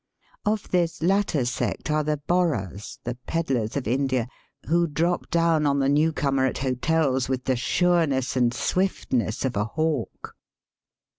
Of this latter sect are the Borahs, the pedlars of India, who drop down on the new comer at hotels with the sureness and swiftness of a hawk.